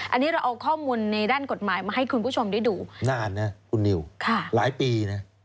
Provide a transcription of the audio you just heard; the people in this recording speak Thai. อันนี้เราเอาข้อมูลในด้านกฎหมายมาให้คุณผู้ชมได้ดูนานนะคุณนิวหลายปีนะ